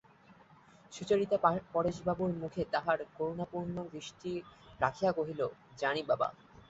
সুচরিতা পরেশবাবুর মুখে তাহার করুণাপূর্ণ দৃষ্টি রাখিয়া কহিল, জানি বাবা!